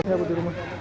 ini apa di rumah